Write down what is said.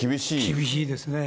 厳しいですね。